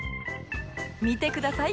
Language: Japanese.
見てください！